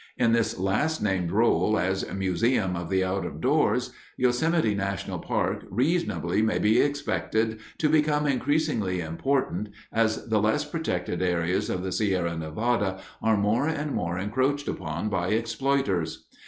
In this last named role as "museum of the out of doors," Yosemite National Park reasonably may be expected to become increasingly important as the less protected areas of the Sierra Nevada are more and more encroached upon by exploiters.